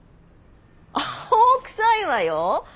青臭いわよ。